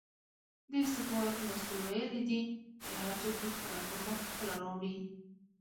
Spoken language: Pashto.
د استخباراتو مسئول ویلې دي چې هر څوک دې خپله فرمه پخپله راوړي!